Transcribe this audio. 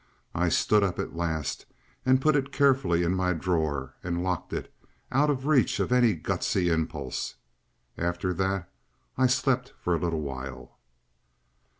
I stood up at last and put it carefully in my drawer and locked it—out of reach of any gusty impulse. After that I slept for a little while.